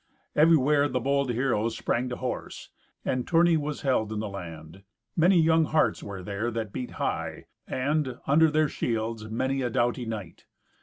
Everywhere the bold heroes sprang to horse, and tourney was held in the land. Many young hearts were there that beat high, and, under their shields, many a doughty knight.